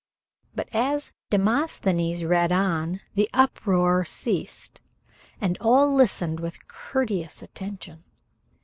But as Demosthenes read on the uproar ceased, and all listened with courteous attention.